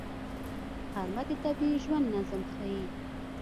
غرمه د طبیعي ژوند نظم ښيي